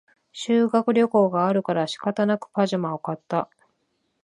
修学旅行があるから仕方なくパジャマを買った